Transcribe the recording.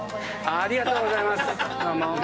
ありがとうございます。